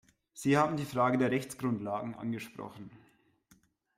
Sie haben die Frage der Rechtsgrundlagen angesprochen.